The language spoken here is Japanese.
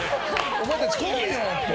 お前たち来いよって。